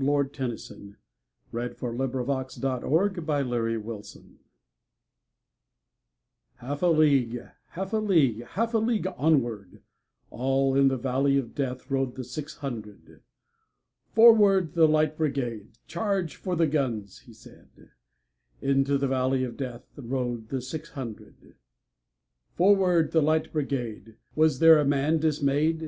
Alfred Tennyson, 1st Baron 1809–92 The Charge of the Light Brigade Tennyson HALF a league, half a league, Half a league onward, All in the valley of DeathRode the six hundred."Forward, the Light Brigade! Charge for the guns!" he said:Into the valley of DeathRode the six hundred."Forward, the Light Brigade!"Was there a man dismay'd?